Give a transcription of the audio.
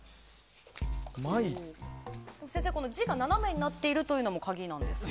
字が斜めになっているのも鍵なんですか？